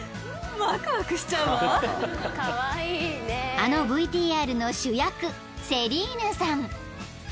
［あのＶＴＲの主役セリーヌさん］